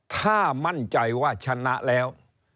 ถ้ามั่นใจว่าชนะแล้ว